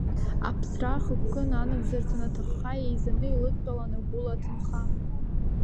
Аԥсра ахықәкы нанагӡарц анаҭахха, еизаны илыдтәалан агәыла, аҭынха.